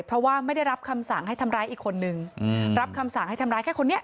เพราะว่าไม่ได้รับคำสั่งให้ทำร้ายอีกคนนึงรับคำสั่งให้ทำร้ายแค่คนนี้